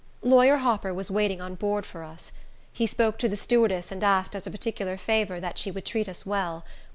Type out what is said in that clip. Lawyer Hopper was waiting on board for us. He spoke to the stewardess, and asked, as a particular favor, that she would treat us well.